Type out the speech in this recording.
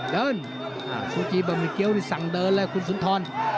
เดินซูจิเบอร์มีเกี๊ยวที่สั่งเดินแล้วคุณสุนทร